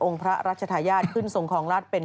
องค์พระราชทายาชขึ้นทรงคองรตเป็น